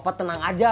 bapak tenang aja pak